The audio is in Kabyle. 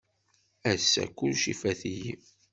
Ass-a kullec ifat-iyi.